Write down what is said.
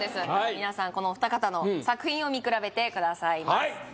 皆さんこのお二方の作品を見比べてください